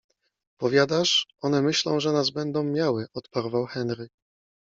- Powiadasz: one myślą, że nas będą miały - odparował Henry.